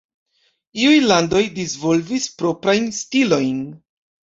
Iuj landoj disvolvis proprajn stilojn.